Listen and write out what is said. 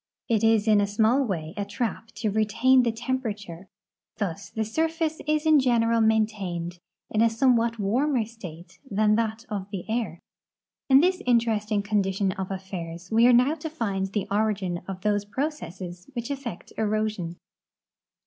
It is in a small way a trap serving to retain the tem ])erature. Thus the surface is in general maintained in a some what warmer state than that of the air. In this interesting condition of affairs we are now to find the origin of those j)ro cesses which effect erosion.